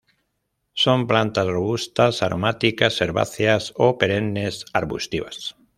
Son plantas robustas, aromáticas, herbáceas o perennes arbustivas.